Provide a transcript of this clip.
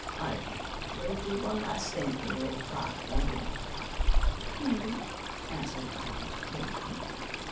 "Ivy, you'll do one last thing for your old father, won't you?" "Maybe," answered Ivy, coolly.